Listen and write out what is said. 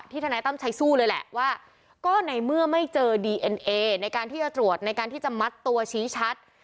ทนายตั้มใช้สู้เลยแหละว่าก็ในเมื่อไม่เจอดีเอ็นเอในการที่จะตรวจในการที่จะมัดตัวชี้ชัด